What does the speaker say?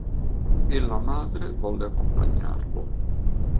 E la madre volle accompagnarlo.